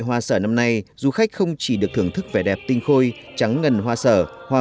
hoa sở năm nay du khách không chỉ được thưởng thức vẻ đẹp tinh khôi trắng ngân hoa sở hoa